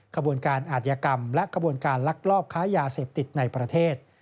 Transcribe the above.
ขบวนการอาธิกรรมและขบวนการลักลอบค้ายาเสพติดในประเทศ